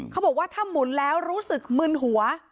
เขาบอกว่าถ้าหมุนแล้วรู้สึกมึนหัว